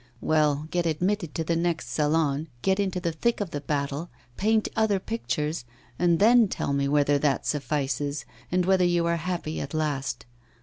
Well, get admitted to the next Salon, get into the thick of the battle, paint other pictures, and then tell me whether that suffices, and whether you are happy at last.